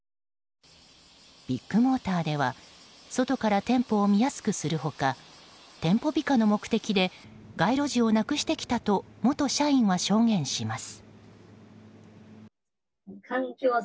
ビッグモーターでは外から店舗を見やすくする他店舗美化の目的で街路樹をなくしてきたと元社員は証言します。